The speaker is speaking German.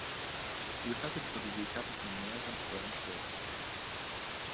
Überschattet wurde die Etappe von mehreren schweren Stürzen.